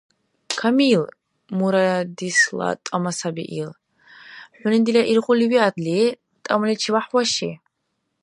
— Камил! — Мурадисла тӀама саби ил. — ХӀуни дила иргъули виадли, тӀамаличивяхӀ ваши.